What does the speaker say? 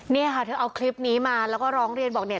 เนี่ยค่ะเธอเอาคลิปนี้มาแล้วก็ร้องเรียนบอกเนี่ย